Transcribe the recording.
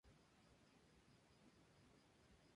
Hijo de Elena Quintana y Willy Lockhart.